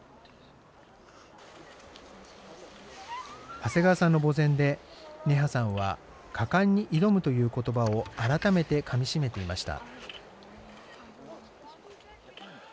長谷川さんの墓前で、ネハさんは「果敢に挑む」ということばを改めてかみしめていました。